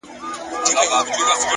حسن خو زر نه دى چي څوك يې پـټ كــړي ـ